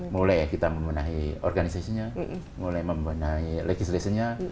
mulai kita membenahi organisasinya mulai membenahi legislasinya